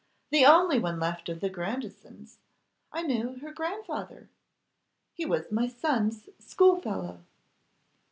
The only one left of the Grandisons. I knew her grandfather. He was my son's schoolfellow.